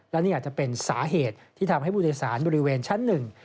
และนี่อาจจะเป็นสาเหตุที่ทำให้ผู้โดยสารบริเวณชั้นหนึ่ง